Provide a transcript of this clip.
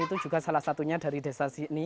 itu juga salah satunya dari desa sydney